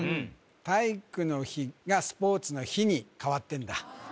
体育の日がスポーツの日に変わってんだ